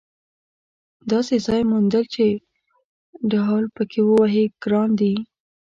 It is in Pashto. داسې ځای موندل چې ډهل پکې ووهې ګران دي.